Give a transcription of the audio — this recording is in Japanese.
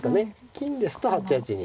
金ですと８八に。